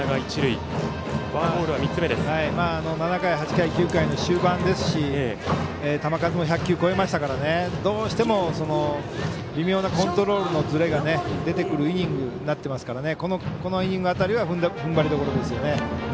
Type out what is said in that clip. ７回、８回、９回の終盤ですし球数も１００球超えましたから、どうしても微妙なコントロールのずれが出てくるイニングになっていますからこのイニング辺りふんばりどころでうね。